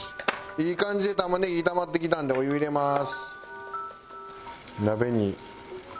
いい感じで玉ねぎ炒まってきたんでお湯入れます。